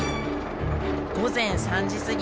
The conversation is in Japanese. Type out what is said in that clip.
午前３時過ぎ